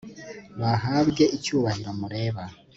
bahabwe icyubahiro mureba